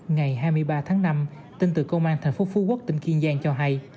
ngày hai mươi ba tháng năm tin từ công an tp phú quốc tỉnh kiên giang cho hay